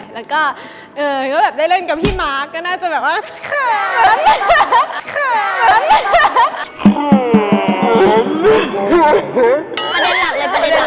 แล้วก็ได้เล่นกับพี่มากก็น่าจะแบบว่าเครือ